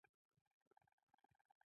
لوگر د افغانستان د سیاسي جغرافیه برخه ده.